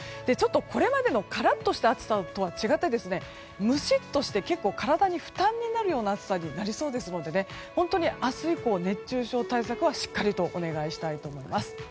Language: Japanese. これまでのカラッとした暑さとは違って、ムシッとして結構体に負担になるような暑さになりそうなので本当に明日以降熱中症対策はしっかりとお願いしたいと思います。